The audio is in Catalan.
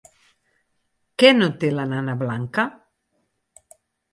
Què no té la nana blanca?